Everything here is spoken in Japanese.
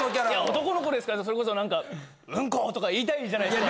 男の子ですからそれこそ何か。とか言いたいじゃないですか。